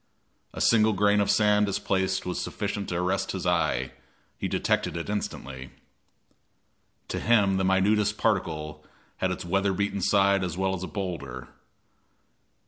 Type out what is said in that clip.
A single grain of sand displaced was sufficient to arrest his eye; he detected it instantly. To him the minutest particle had its weather beaten side as well as a boulder.